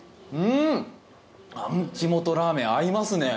あん肝とラーメン合いますね！